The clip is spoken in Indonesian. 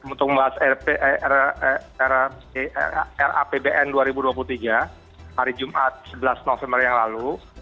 untuk membahas rapbn dua ribu dua puluh tiga hari jumat sebelas november yang lalu